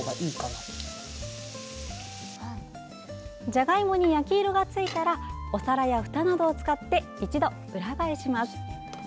じゃがいもに焼き色がついたらお皿や、ふたなどを使って一度、裏返します。